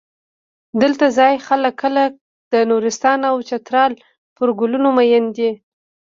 دلته ځايي خلک لکه د نورستان او چترال پر ګلونو مین دي.